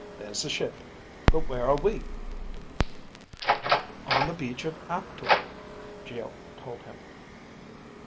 "There's the ship. But where are we?" "On the beach of Aptor," Geo told him.